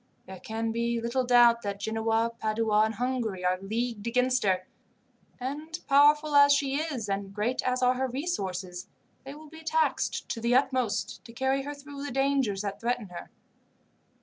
There can be little doubt that Genoa, Padua, and Hungary are leagued against her; and powerful as she is, and great as are her resources, they will be taxed to the utmost to carry her through the dangers that threaten her.